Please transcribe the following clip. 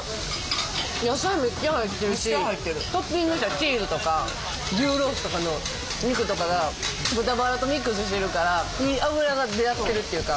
トッピングしたチーズとか牛ロースとかの肉とかが豚バラとミックスしてるからいい脂が出会ってるっていうか。